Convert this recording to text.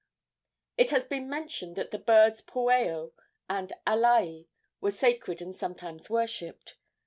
It has been mentioned that the birds pueo and alae were sacred and sometimes worshipped.